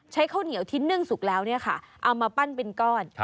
ข้าวเหนียวที่นึ่งสุกแล้วเอามาปั้นเป็นก้อน